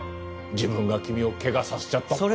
自分が君を怪我させちゃったって。